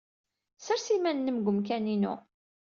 Ssers iman-nnem deg umkan-inu.